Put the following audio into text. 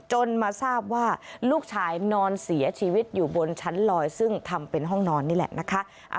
จนมาทราบว่าลูกชายนอนเสียชีวิตอยู่บนชั้นลอยซึ่งทำเป็นห้องนอนนี่แหละนะคะ